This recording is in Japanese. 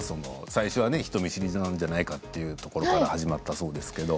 最初は人見知りなんじゃないかというところから始まったそうですけれど。